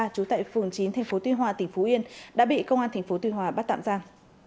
trú tại phường chín tp tuy hòa tỉnh phú yên đã bị công an tp tuy hòa bắt tạm giam